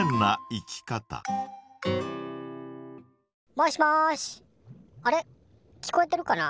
もしもしあれ聞こえてるかな？